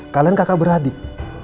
kalian kakak beradik